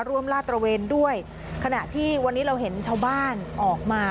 ลาดตระเวนด้วยขณะที่วันนี้เราเห็นชาวบ้านออกมา